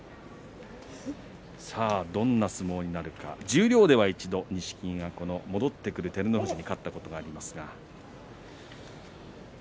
さあどんな相撲になるか十両では一度、錦木が戻ってくる照ノ富士に勝ったことがあります。